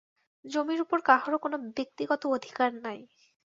জমির উপর কাহারও কোন ব্যক্তিগত অধিকার নাই।